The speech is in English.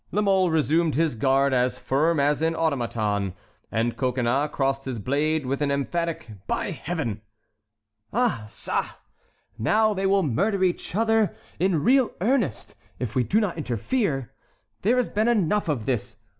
La Mole resumed his guard as firm as an automaton, and Coconnas crossed his blade with an emphatic "By Heaven!" "Ah ça! now they will murder each other in real earnest, if we do not interfere. There has been enough of this.